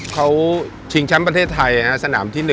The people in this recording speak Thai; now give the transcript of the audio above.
เขาชิงแชมป์ประเทศไทยสนามที่๑